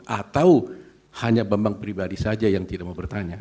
atau hanya bambang pribadi saja yang tidak mau bertanya